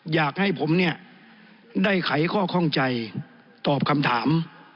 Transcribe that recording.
อยากให้ผมเนี่ยได้ไขข้อข้องใจตอบคำถาม